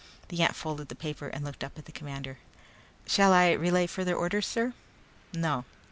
The ant folded the paper and looked up at the commander. "Shall I relay further orders, sir?" "No."